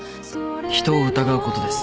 人を疑うことです。